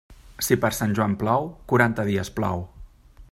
Si per Sant Joan plou, quaranta dies plou.